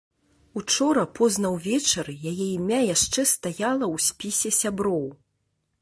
Учора позна ўвечары яе імя яшчэ стаяла ў спісе сяброў.